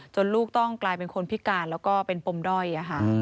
ลูกต้องกลายเป็นคนพิการแล้วก็เป็นปมด้อย